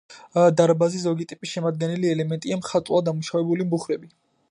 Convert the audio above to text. დარბაზის ზოგი ტიპის შემადგენელი ელემენტია მხატვრულად დამუშავებული ბუხრები.